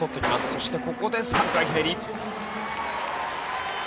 そしてここで３回ひねり。